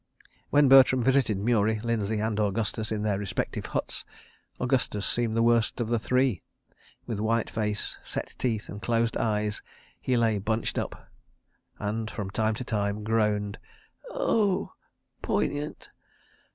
When Bertram visited Murie, Lindsay and Augustus in their respective huts, Augustus seemed the worst of the three. With white face, set teeth, and closed eyes, he lay bunched up, and, from time to time, groaned, "Oh, poignant!